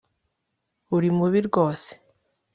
Uri mubi rwose